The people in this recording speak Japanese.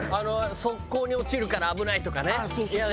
側溝に落ちるから危ないとかねいうやつね。